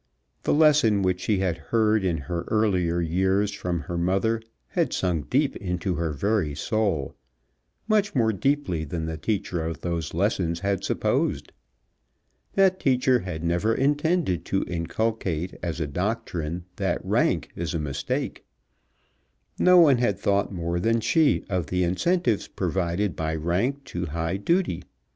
The lesson which she had heard in her earlier years from her mother had sunk deep into her very soul, much more deeply than the teacher of those lessons had supposed. That teacher had never intended to inculcate as a doctrine that rank is a mistake. No one had thought more than she of the incentives provided by rank to high duty.